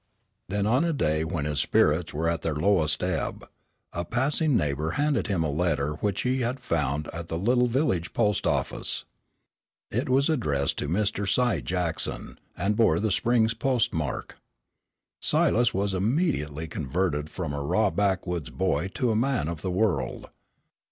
Then on a day when his spirits were at their lowest ebb, a passing neighbor handed him a letter which he had found at the little village post office. It was addressed to Mr. Si Jackson, and bore the Springs postmark. Silas was immediately converted from a raw backwoods boy to a man of the world.